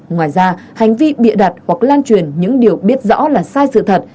ngoài ra hành vi bịa đặt hoặc lan truyền những điều biết rõ là sai sự thật